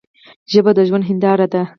ژبه د ژوند هنداره ده.